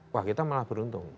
wah kita malah beruntung